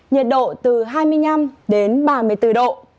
nhiệt độ từ hai mươi năm đến ba mươi bốn độ